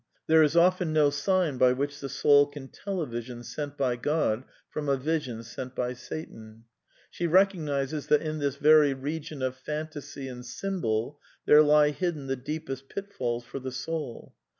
There is often no sign by which the soul can tell a vision sent by God from a vision sent by Satan.*® She recognizes that in this very regio of phantasy and symbol there lie hidden the deepest pit falls for the soul.